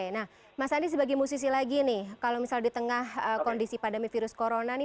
nah mas andi sebagai musisi lagi nih kalau misal di tengah kondisi pandemi virus corona nih